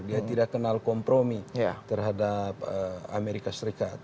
dia tidak kenal kompromi terhadap amerika serikat